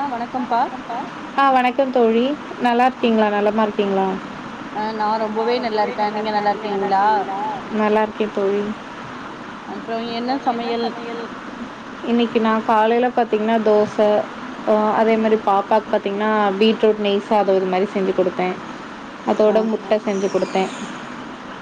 ஆ வணக்கம்ப்பா ஆ வணக்கம் தோழி நல்லாருக்கீங்ளா நலமாருக்கீங்ளா நல்லாருக்கே தோழி அப்றோ என்ன சமையல் இன்னிக்கு நா காலையில பாத்தீங்ன்னா தோச ஆ அதே மாரி பாப்பாக் பாத்தீங்ன்னா பீட்ரூட் நெய் சாதம் அது மாரி செஞ்சு குடுப்பே அதோட முட்ட செஞ்சு குடுப்பே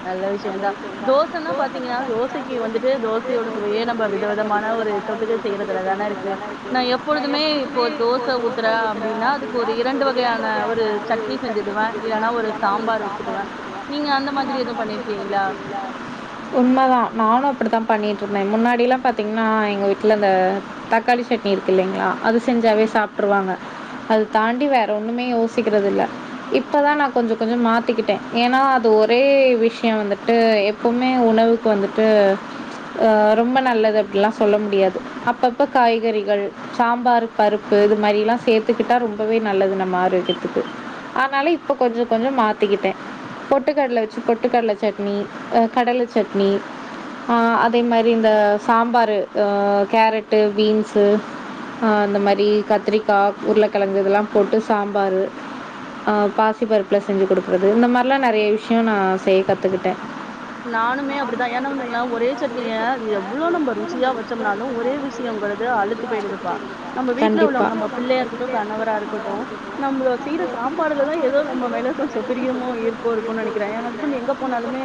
நல்ல விஷ்யோந்தா தோசன்னா பாத்தீங்கன்னா தோசைக்கு வந்துட்டு தோசயோட சுவையே நம்ப வித விதமான ஒரு தொட்டுக்க செய்யறதுலதானே இருக் க்கு நா எப்பொழுதுமே இப்போ தோச ஊத்துறே அப்டின்னா அதுக்கு ஒரு இரண்டு வகையான ஒரு சட்னி செஞ்சுடுவ இல்லனா ஒரு சாம்பார் வெச்சுடுவ நீங்க அந்த மாதிரி எதுவும் பண்ணிருக்கீங்ளா உண்மதா நானு அப்டித்தா பண்ணிட்ருந்த முன்னாடில்லா பாத்தீங்ன்னா எங்க வீட்ல இந்த தக்காளி சட்னி இருக்கு இல்லைங்ளா அது செஞ்சாவே சாப்ட்ருவாங்க அது தாண்டி வேற ஒண்ணுமே யோசிக்கறது இல்ல இப்பதா நா கொஞ்சோ கொஞ்சோ மாத்திக்கிட்ட ஏன்னா அது ஒரே விஷயம் வந்துட்டு எப்பவுமே உணவுக்கு வந்துட்டு ஆ ரொம்ப நல்லது அப்டிலா சொல்ல முடியாது அப்பப்ப காய்கறி கள் சாம்பாரு பருப்பு இது மாரிலா சேத்துக்கிட்டா ரொம்பவே நல்லது நம்ம ஆரோக்கியத்துக்கு ஆனாலு இப்ப கொஞ்சோ கொஞ்சோ மாத்திக்கிட்ட பொட்டு கடல வெச்சு பொட்டு கடல சட்னி அ கடல சட்னி ஆ அதே மாரி இந்த சாம்பாரு ஆ கேரட்டு பீன்ஸ் து ஆ அந்த மாரி கத்திரிக்காய் உருளைக்கெழங்கு இதெல்லா போட்டு சாம்பாரு அ பாசி பருப்புல செஞ்சு குடுக்றது இந்த மாரிலா நறைய விஷ்யோ நா செய்ய கத்துக்கிட்டே நானுமே அப்டித்தா ஏன்னா வந்துங்களா ஒரே சட்னிய எவ்ளோ நம்ம ருசியா வச்சோம்னாலு ஒரே விஷ்யேங்கறது அழுத் து பேய்டுதுப்பா நம்ம வீட்ல உள்ளவங்க நம்ம பிள்ளையா இருக்கட்டு கணவராருக்கட்டு நம்மள செய்ற சாப்பாடுலதா ஏதோ நம்ம மேல கொஞ்சே பிரியமோ ஈர்ப்போ இருக்குன்னு நெனைக்கிறே எ ஹஸ்பண்ட் எங்க போனாலுமே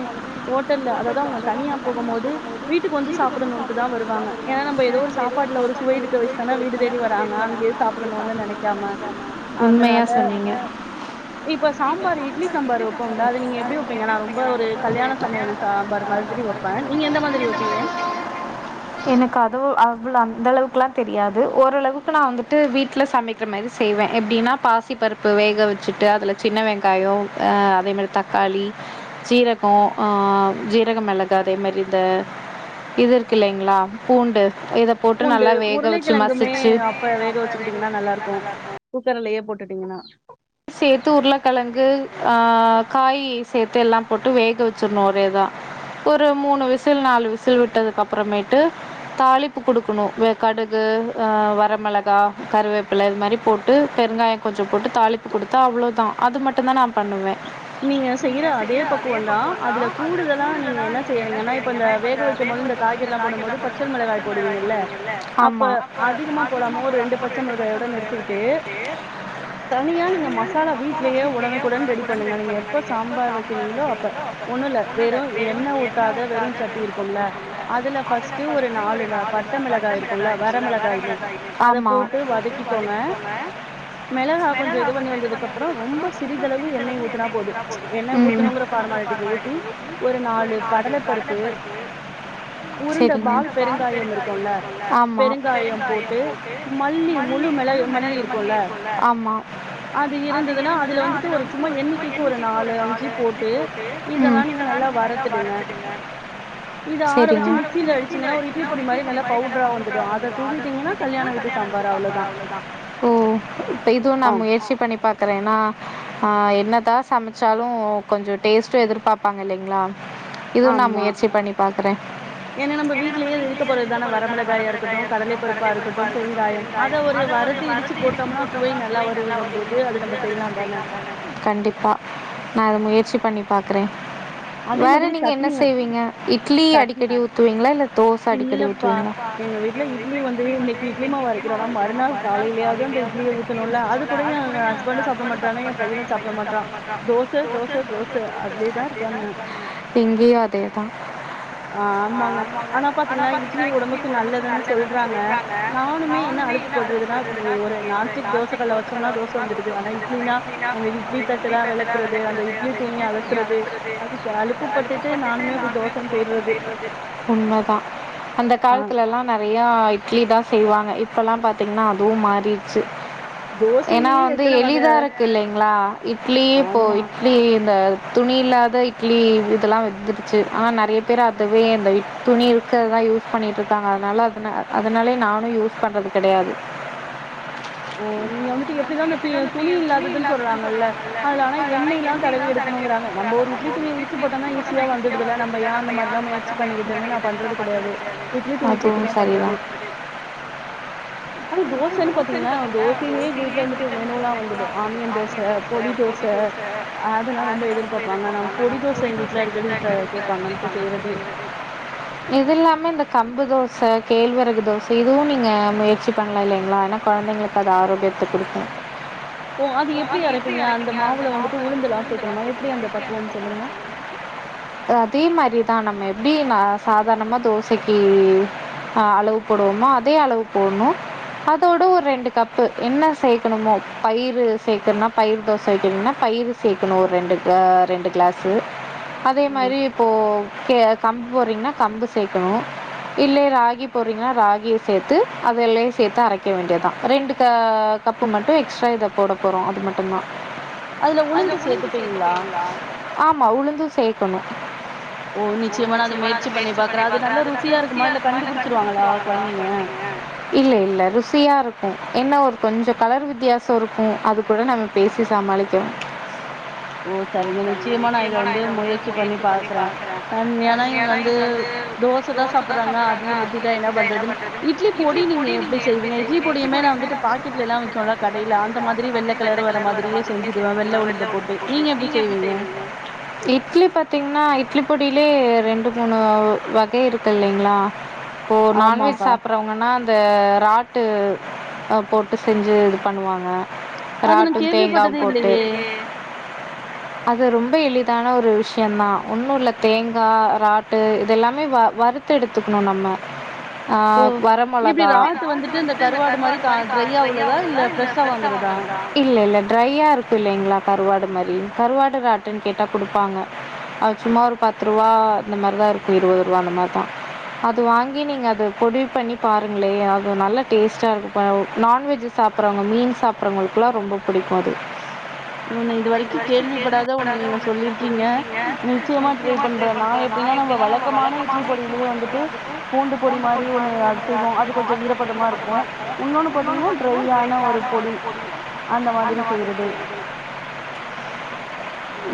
ஹோட்டல்ல அதாவது அவங்க தனியா போகும் போது வீட்டுக்கு வந்து சாப்புடணுன்ட்டுதா வருவாங்க ஏனா நம்ம எதோ ஒரு சாப்பாடுல ஒரு சுவை இருக்க வச்சிதானா வீடு தேடி வராங்க அங்கயே சாப்டணுனு நெனைக்காம அதனால இப்ப சாம்பாரு இட்லி சாம்பார் வெப்போம்ல அது நீங்க எப்டி வெப்பீங்க நா ரொம்ப ஒரு கல்யாண சமையல் சாம்பார் மாதிரி வெப்ப நீங்க எந்த மாதிரி வெப்பீங்க எனக்கு அதுவு அவ்ள அந்த அளவுக்லா தெரியா து ஓரளவுக்கு நா வந்துட்டு வீட்ல சமைக்கிற மாரி செய்வே எப்டினா பாசி பருப்பு வேக வெச்சுட்டு அதுல சின்ன வெங்காயம் அ அதே மாரி தக்காளி ஜீரகோ ஆ சீரகம் மெளகு அதே மாரி இந்த இதுருக் க்குல்லிங்ளா பூண்டு இதபோட்டு நல்லா வேக வெ கிழங்குமே அப்ப வேக வச்சுக்கிட்டீங்கனா நல்லாருக்கு குக்கர்லயே போட்டுட்டீங்கனா சேத்து உருளக்கெழங்கு ஆ காயி சேத்து எல்லா போட்டு வேக வச்சர்ணு ஒரேயிதா ஒரு மூணு விசில் நாலு விசில் விட்டதுக்கு அப்றமேட்டு தாளிப்பு குடுக்கணு அ கடுகு வரமெளகா கருவேப்ல இதுமாரி போட்டு பெருங்காயோ கொஞ்சோ போட்டு தாளிப்பு குடுத்தா அவ்ளோதா அது மட்டுதா நா பண்ணுவே நீங்க செய்ற அதே பக்குவோந்தா அதுல கூடுதலா நீங்க என்ன செய்றீங்கனா இப்ப அந்த வேகவைக்கும் போது இந்த காய்கறிலா போடும்போது பச்சமெளகாய் போடுவீங்கல ஆமா அப்ப மொத்தமா போடாம ஒரு ரெண்டு பச்ச மொளகா எடுத்து வச்சுட்டு தனியா நீங்க மசாலா வீட்லயே ஒடனுக்குடன் ரெடி பண்ணுங்க நீங்க எப்ப சாம்பார் வைக்கிறீங்ளோ அப்ப ஒண்ணுல வெறு எண்ணெ ஊத்தாத சட்டி இருக்கும்ல அதுல ஃபர்ஸ்ட் ஒரு நாலு பட்ட மெளகாய் இருக்குல்ல வரமிளகாயின்னு அத போட் ட்டு வதக்கிகோங்க மெளகா கொஞ்சோ இது பண்ணி வந்ததுக்கு அப்றே ரொம்ப சிறிதளவு எண்ணெய் க்கி ஊத்துனா போது ஏனா ஊத்துனோங்குற ஃபார்மலட்டிக்கி ஒரு நாலு கடல பருப்பு இந்த பால் பெருங்காயோ இருக்குல்ல பெருங்காயோ போட் ட்டு மல்லி முழு மெள மல்லி இருக்கும்ல அது இருந்ததுனா அதுல வந்துட்டு ஒரு சும்மா எண்ணி சும்மா எண்ணிக்கைக்கு ஒரு நாலஞ்சி போட்டு இதெல்லா நீங்க நல்லா வரத்துடுங்க நீங்க ஆரவச்சி மிக்சில அடிச்சிங்னா ஒரு இட்லி பொடி மாரி நல்லா பவுட்ரா வந்துரு அத தூவி ஓ இப்ப இதுவும் நாம்ம எ முயற்சி பண்ணி பாக்குறே ஏன்னா என்னதா சமைச்சாலு கொஞ்சோ டேஸ்ட்டு எதிர்பார்ப்பாங்க இல்லைங்ளா இது நா முயற்சி பண்ணி பாக்குறே ஏனா நம்ம வீட்லயே இது இருக்கப் போறதுதான வரமெளகாயா இருக்கட்டு கடலை பருப்பா இருக்கட்டு பெருங்காயம் யம் அத ஒரு வரத்தி இடுச்சி போட்டோம்னா கண்டிப்பா நா இத முயற்சி பண்ணி பாக்குறே வேற நீங்க என்ன செய்வீங்க இட்லி அடிக்கடி ஊத்துவீங்ளா இல்ல தோச அடிக்கடி ஊத்துவீங்ளா எங்க வீட்ல இட் லி வந்து இன்னைக்கி இட்லிமாவு அரைக்கிறோன்னா மறுநாள் காலையிலேயாவது அந்த இட்லிய ஊத் தனுல்ல அது கூட எ எங்க ஹஸ்பண்டு சாப்ட மாட்டறாங்க எ பையனு சாப்ட மாட்றா தோச தோச தோ ஆ ஆமாங்க ஆனா பாத்தீங்கனா இட்லி ஒடம்புக்கு நல்லதுன்னு சொல்றாங்க நானுமே என்ன அழுப் போட்டுதுனா துழி ஒரு நான்ஸ்டிக் தோசகளல வச் சோம்னா தோச வந்துடுது ஆனா இட்லினா அந்த இட்லி தட்டலா வெளக்குறது அந்த இட்லி துணிய அலசுறது அதுக்கு அலுப்புப்பட்டுட்டே நானுமே இப்டி தோசனு பேய்றது உண்மதா அந்த காலத்துலல்லா நெறையா இட்லிதா செய்வாங்க இப்பல்லா பாத்தீங்ன்னா அதுவும் மாறிடுச்சு ஏன்னா வந்து எளிதாருக்கு இல்லைங்ளா இட்லி போ இட்லி இந்த துணி இல்லாத இட்லி இதெல்லா வெந்துடுச்சு ஆனா நறைய பேரு அதுவே அந்த இட் துணி இருக்குறதுதா யூஸ் பண்ணிட்ருக்காங்க அதனால அதன அதனாலே நானு யூஸ் பண்றது கெடையாது ம் இங்க வந்துட்டு எப்புடிதா அந்த தி துணி இல்லாததுனு சொல்றாங்கல்ல அதுல ஆனா எண்ணைலா தடவி எடுக்கணுங்குறாங்க நம்ப ஒரு இட் இட்லி துணிய விருச்சு போட்டோனா ஈசியா வந்துடுதுல்ல நம்ப யா இந்த மாரில்லா முயற்சி பண்ணிக்கிட்டுனு நா பண்றது கெடையாது இட் இட்லி துணி போட்டுதா பண்றது [inaudible] ஆனா தோசன்னு பாத்தீங்களா தோ [unintelligible] லியே எங்க வீட்ல வந்துட்டு மெனுலா வந்துடு ஆனியன் தோச பொடி தோச அதெல்லா ரொம்ப எதிர் பாப்பாங்க நா பொடி தோச எங்க வீட்ல அடிக்கடி அ கேப்பாங்கன்ட்டு செய்யறது இதுல்லாம இந்த கம்பு தோச கேழ்வரகு தோச இதுவும் நீங்க முயற்சி பண்லா இல்லைங்ளா ஏனா கொழந்தைங்களுக் அது ஆரோக்கியத்த குடுக்கு ஓ அது எப்புடி அரைப்பிங்க அந்த மாவுல வந்துட்டு உளுந்து எதாச்சு சேக்கணுமா எப்டி அந்த பக்குவோ [inaudible] அ அதே மாரிதா நம்ம எப்டி நா சாதாரணமா தோசக்கி அ அளவு போடுவோமோ அதே அளவு போணு அதோட ஒரு ரெண்டு கப் பு என்ன சேக்கணுமோ பயிறு சேக்கணுனா பயிர் தோச வைக்கணுனா பயிறு சேக்கணு ஒரு ரெண்டு க ரெண்டு கிளாஸு அதே மாரி இப்போ கெ கம்பு போறீங்னா கம்பு சேக்கணு இல்ல ராகி போறீங்கனா ராகிய சேத்து அதெல்லே சேத்து அரைக்க வேண்டியதா ரெண்டு க கப்பு மட்டு எக்ஸ்ட்ரா இத போட போறோ அது மட்டுந்தா ஆமா உளுந்து சேக்கணு ஓ நிச்சயமா நா அத முயற்சி பண்ணி பாக்குறே அது நல்லா ருசியா இருக்குமா இல்ல கண்டுபுடிச்சிருவாங்ளா கொழந்தைங்க இல்ல இல்ல ருசியா இருக்கு என்ன ஒரு கொஞ்சொ கலர் வித்தியாசோ இருக்கு அது கூட நம்ம பேசி சமாளிக்கனு ஓ சரிங்க நிச்சயமா நா இத வந்து முயற்சி பண்ணி பாக்குறே அன் ஏனா இவங்க வந்து தோசதா சாப்பறாங்க அதயு நிறுத்திட்டா என்ன பண்றதுன்னு இட்லி பொடி நீங்க எப்டி செய்வீங்க இட்லி பொடியுமே நா வந்துட்டு பாக்கெட்லல்லா விக்குல கடைல அந்த மாதிரி வெள்ள வெள்ள கலர் வர மாதிரியே செஞ்சுக்கனு வெள்ள உளுந்து போட்டு நீங்க எப்டி செய்வீங்க இட்லி பாத்தீங்கன்னா இட்லி பொடியிலே ரெண்டு மூணு வக இருக்கு இல்லைங்ளா இப்போ நான்வெஜ் சாப்பறவங்கன்னா இந்த ராட்டு அது போட்டு செஞ்சு இது பண்ணுவாங்க ராட்டும் தேங்கா போட்டு அது ரொம்ப எளிதான ஒரு விஷயந்தா ஒன்னுல்ல தேங்கா ரா ட்டு இதெல்லாமே வ வறுத்து எடுத்துக்கணு நம்ம ஆ வர மொளகா வந்துட்டு இந்த ட்டு இந்த கருவாடு மாரி கா ட்ரையா உள்ளதா இல்ல ஃப்ரஷ்ஷா வாங்கறதா இல்லல்ல ட்ரையா இருக்குல்லைங்ளா கருவாடு மாரி கருவாடு ராட்டுன் கேட்டா குடுப்பாங்க அது சும்மா ஒரு பத்து ரூவா இந்த மாரிதா இருக்கு இருவது ரூவா அந்த மாரிதா அது வாங்கி நீங்க அது பொடி பண்ணி பாருங்ளே அது நல்ல டேஸ்ட்டா இரு இப்ப நான்வெஜ் சாப்புறவங்க மீன் சாப்புறவங்களுக்குலா ரொம்ப புடிக்கு அது நா இது வரைக்கும் கேள்விப்படாத ஒன்னு நீங்க சொல்லிருக்கீங்க நிச்சயமா ட்ரை பண்ற நா எப்டின்னா நம்ம வழக்கமான இட்லி பொடி கூட வந்துட்டு பூண்டு பொடி மாரி ஒன்னு அரச்சிருவோ அது போட்டு இது கொஞ்சோ [inaudible] இன்னொன்னு பாத்தீங்கன்னா ட்ரையான ஒரு பொடி அந்த மாதிரி செய்றது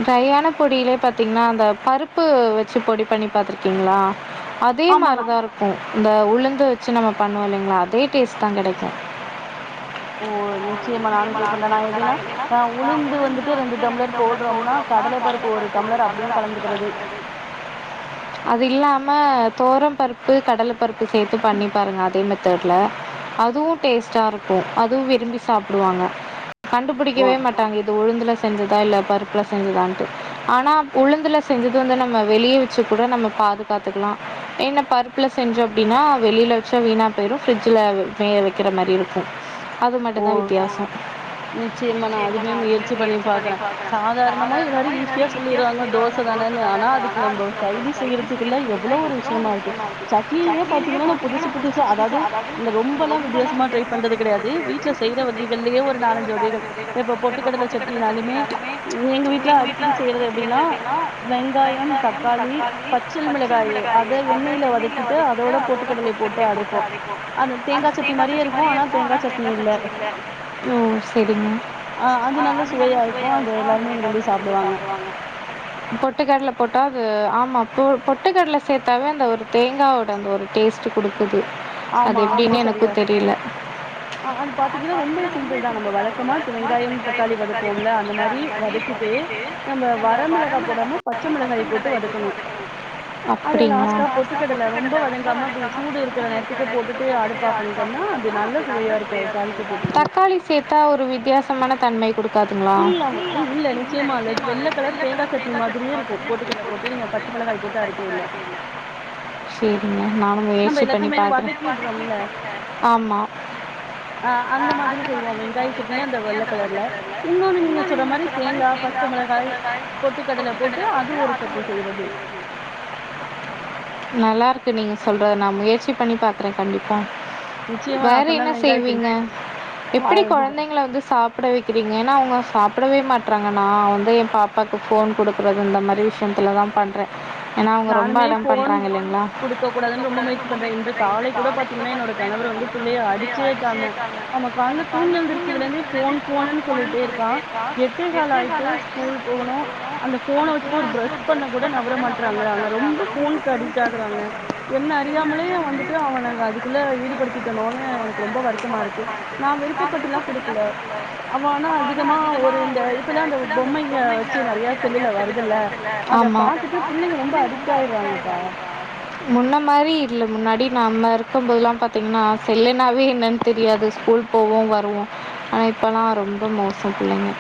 ட்ரையான பொடிலே பாத்தீங்கன்னா அந்த பருப்பு வச்சி பொடி பண்ணி பாத்துருக்கீங்ளா அதே மாரிதா இருக்கு அந்த உளுந்து வச்சி நம்ப பண்ணுவோ இல்லைங்ளா அதே டேஸ்ட்டு தா கெடைக்கு [inaudible] உளுந்து வந்துட்டு ரெண்டு டம்ளர் போட்றோ நா கடல பருப்பு ஒரு டம்ளர் அப்டியே கலந்துர்றது அது இல்லாம துவரம் பருப்பு கடல பருப்பு சேத்து பண்ணி பாருங்க அதே மெத்தடு ல அதுவு டேஸ்ட்டா இருக்கு அதுவு விரும்பி சாப்டுவாங்க கண்டுபிடிக்கவே மாட் டாங்க இது உளுந்துல செஞ்சதா இல்ல பருப்புல செஞ்சதான்ட்டு ஆனா உளுந்துல செஞ்சது வந்து நம்ம வெளிய வச்சி கூட நம்ம பாதுகாத்துக்கலா என்ன பருப்புல செஞ்சோ அப்டினா வெளில வச்சா வீணா வெரு ஃபிரிட்ஜில மே வெக்கிற மாரி இருக்கு அது மட்டு்தா வித்தியாசோ நிச்சயமா நா அதுமே முயற்சி பண்ணி பாக்குறே சாதாரணமா எல்லாரு ஈஸியா சொல்லிறாங்க தோஸ் ச தானனு ஆனா அதுக்கு நம்ப சைட் டிஷ் செய்யறதுக்குள்ள எவ்ளோ ஒரு விஷயமா இருக்கு சட் ட்லிலயே பாத்தீங்கன்னா நா புதுசு புதுசா அதாது இந்த ரொம்பல்லா வித்தியாமா ட்ரை பண்றது கெடையாது வீட் ட்ல செய்ற வகைகள்லயே ஒரு நாலஞ்சு வகைகள் அ இப்ப பொட்டுக்கடல சட்னினாலுமே எங்க வீட்ல அடிக்கடி செய்றது அப்டின்னா வெங்காயம் தக்காளி பச் சல் மெளகாய அத எண்ணைல வதக்கிட்டு அதோட பொட்டுக் கடலை போட்டு அரைப் கு அது தேங்கா சட்னி மாரியே இருக்கு ஆனா தேங்கா சட்னி இல்ல ம் செரிங்க ஆமா பொட்டுக்கட்ல போட்டா அது ஆமா பொ பொட்டுக்கடல சேத்தாவே அந்த ஒரு தேங்காவோட அந்த ஒரு டேஸ்ட்டு குடுக்குது ஆமா ரொம்ப சரியா ஆ அது பாத்தீங்கன்னா ரொம்ப சிம்பிள்தா நம்ப வழக்கமா வெங்காயம் தக்காளி வதக்குவோம்ல அந்த மாரி வதக்கிட் டு நம்ப வரமெளகா போடாம பச்ச மெளகாய் போட்டு வதக்கணு அதுல லாஸ்ட்டா பொட்டுக்கடல ரொம்ப வதங்காம அப்டி சூடு இருக்குற நேரத்துக்கு போட்டுட்டு அடுப் தக்காளி சேத்தா ஒரு வித்தியாசமான தன்மை குடுக்கு அது மேரி இல்லவு இல் இல்ல நிச்சயமா இல்ல இது வெள்ள கலர் தேங்கா சட்னி மாதிரியே இருக்கு பொட்டுக்கல்ல போட்டு நீங்க பச் ச மெளகாய் போட்டு அரைக்கல செரிங்க நானு முயற்சி பண்ணி பாக்குறே ஆமா ஆ அந்த மாதி செய்வோ வெங்காயோ தனியா அந்த வெள்ள கலரு [unintelligible] நீங்க சொல்ற மாரி தேங்கா பச்ச மெளகாய் பொட்டுக்கடல போட்டு அது ஒரு சட்னி செய்வோ நல்லா இருக்கு நீங்க சொல்றது நா முயற்சி பண்ணி பாக் குறே கண்டிப்பா வேற என்ன செய்வீங்க எப்டி கொழந்தைங்கள வந்து சாப் பிட வைக்றீங்க ஏனா அவுங்க சாப்டவே மாட்றாங்க நா வந்து எ பாப்பாக்கு போன் குடுக்குறது இந்த மாரி விஷ் யங்கள தா பண்றே ஏனா அவுங்க ரொம்ப அடோ பண்றாங்க இல்லைங்ளா ப கூடாதுன் ரொம்ப முயற்சி பண்றே இன்று காலை கூட பாத்தீங்கன்னா என்னோட கணவர் வந்து பிள்ளைய அடிச்சேட்டாங்க அவ கால்ல தூங்கி எந்தரிச்சதுல இருந்தே போன் போனுன் சொல்லிட்டே இருக்கா எட்டே கால் ஆயிட்டு ஸ்கூல் போகணு அந்த போன வச்சுட்டு ஒரு ப்ரஷ பண்ண கூட நவர மாட் றாங்க அங்க ரொம்ப போனுக்கு அடிக்ட் ஆகுறாங்க என்ன அறியாமலே வந்துட்டு அவன அதுக் குள்ள ஈடுபடுத்திட்டோனுன்னு எனக்கு ரொம்ப வருத்தமா இருக் கு நா விருப்பப்பட்டுல்லா குடுக்கல அவனா அதிகமா ஒரு இந்த இதுல அந்த பொம்மைங்க வச்சு நெறைய செல்லுல வருதுல்ல அத பாத்துட்டு பிள்ளைங்க ரொம்ப அடிக்ட் ஆயிராங்கப்பா முன்ன மாரி இல்ல முன்னாடி நாம்ம இருக்கும்போதெல்லா பாத்தீங்கன்னா செல்லுனாவே என்னன் தெரியாது ஸ்கூல் போவோ வருவோ ஆனா இப்பலா ரொம்ப மோசோ பிள்ளைங்க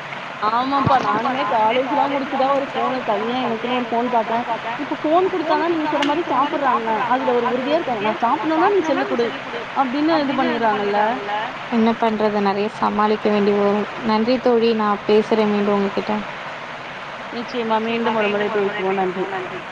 ஆமாப்பா நானுமே காலேஜ்ல்லா முடிச்சுதா ஒரு போன் [inaudible] போன் பாத்தே இப்ப போன் குடுத்தாதா நீங்க சொன்ன மாரி சாப்பறாங்க அந்த ஒரு உறுதியா சொல்லா சாப்பட்ணுனா நீ செல்ல குடு அப்டின்னு இது பண்ணிறாங்கல்ல பண்ணுறத நெறையா சமாளிக்க வேண்டி வரு நன்றி தோழி நா பேசுறேன் மீண்டு உங்ககிட்ட நிச்சயமா மீண்டும் ஒரு முறை பேசுவோம் நன்றி